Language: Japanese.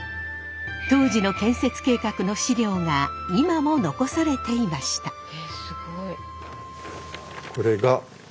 当時の建設計画の資料が今も残されていました。